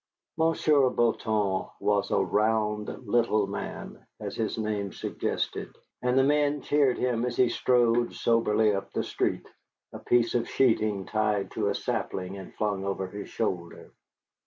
Monsieur Bouton was a round little man, as his name suggested, and the men cheered him as he strode soberly up the street, a piece of sheeting tied to a sapling and flung over his shoulder.